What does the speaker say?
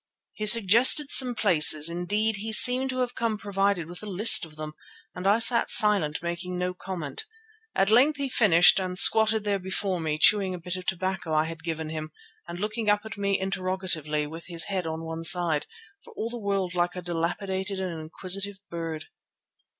He suggested some places; indeed he seemed to have come provided with a list of them, and I sat silent making no comment. At length he finished and squatted there before me, chewing a bit of tobacco I had given him, and looking up at me interrogatively with his head on one side, for all the world like a dilapidated and inquisitive bird.